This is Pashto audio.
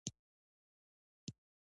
د کلیزو منظره د افغانانو د ګټورتیا برخه ده.